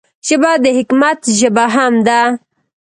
ژبه د حکمت ژبه هم ده